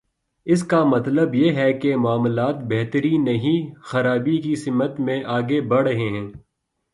اس کا مطلب یہ ہے کہ معاملات بہتری نہیں، خرابی کی سمت میں آگے بڑھ رہے ہیں۔